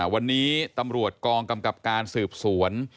วันนี้ตำรวจกองกำกับการสืบสวน